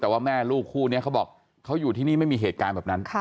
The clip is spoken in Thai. แต่ว่าแม่ลูกคู่นี้เขาบอกเขาอยู่ที่นี่ไม่มีเหตุการณ์แบบนั้น